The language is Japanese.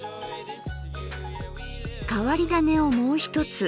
変わり種をもうひとつ。